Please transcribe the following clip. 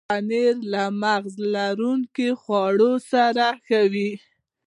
پنېر له مغز لرونکو خواړو سره ښه وي.